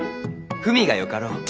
文がよかろう。